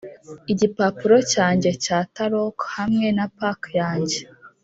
igipapuro cyanjye cya taroc hamwe na pack yanjye